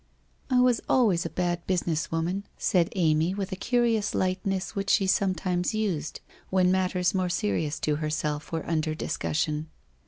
' I was always a bad business woman,' said Amy with a curious lightness which she sometimes used when mat ters more serious to herself were under discussion.